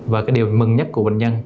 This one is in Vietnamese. và cái điều mừng nhất của bệnh nhân